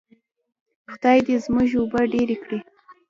خدای دې زموږ اوبه ډیرې کړي.